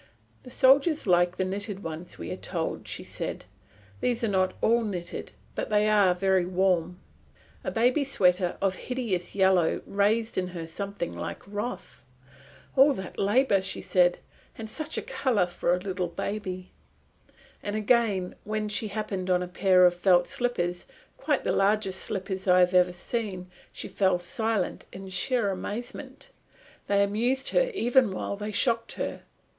"The soldiers like the knitted ones, we are told," she said. "These are not all knitted but they are very warm." A baby sweater of a hideous yellow roused in her something like wrath. "All that labour!" she said, "and such a colour for a little baby!" And again, when she happened on a pair of felt slippers, quite the largest slippers I have ever seen, she fell silent in sheer amazement. They amused her even while they shocked her.